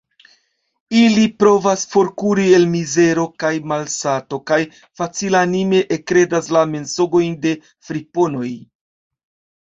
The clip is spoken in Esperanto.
Ili provas forkuri el mizero kaj malsato kaj facilanime ekkredas la mensogojn de friponoj.